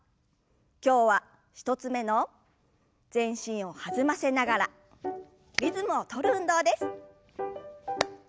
今日は１つ目の全身を弾ませながらリズムを取る運動です。